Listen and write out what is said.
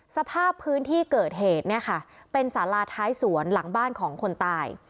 สภาพพื้นที่เกิดเหตุเนี่ยค่ะเป็นสาราท้ายสวนหลังบ้านของคนตาย